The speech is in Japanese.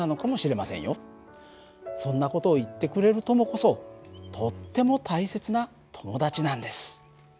そんな事を言ってくれる友こそとっても大切な友達なんです。